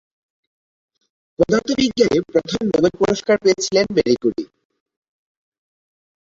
পদার্থবিজ্ঞানে প্রথম নোবেল পুরস্কার পেয়েছিলেন মেরি ক্যুরি।